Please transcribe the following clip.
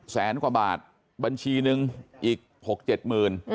แสนกว่าบาทบัญชีนึงอีก๖๗หมื่น